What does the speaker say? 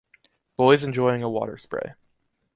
Boys enjoying a water spray.